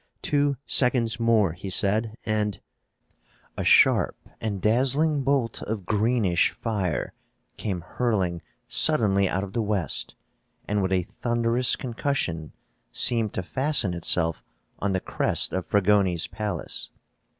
"Two seconds more," he said, "and "A sharp and dazzling bolt of greenish fire came hurling suddenly out of the west and, with a thunderous concussion, seemed to fasten itself on the crest of Fragoni's palace.